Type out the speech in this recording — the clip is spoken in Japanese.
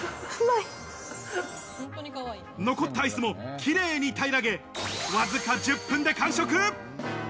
残ったアイスもキレイに平らげ、わずか１０分で完食。